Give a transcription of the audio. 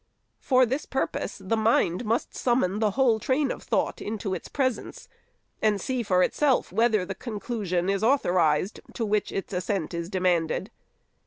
For this purpose, the mind must summon the whole train of thought into its presence, and see for itself whether the conclusion is authorized to which its assent is demanded.